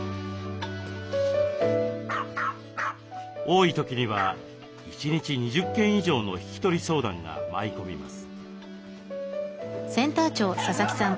多い時には一日２０件以上の引き取り相談が舞い込みます。